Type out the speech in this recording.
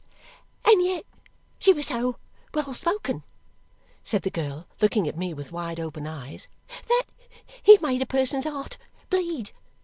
"And yet she was so well spoken," said the girl, looking at me with wide open eyes, "that it made a person's heart bleed.